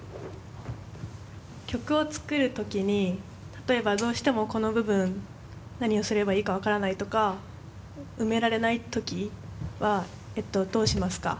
曲を作る時に例えばどうしてもこの部分何をすればいいか分からないとか埋められない時はどうしますか？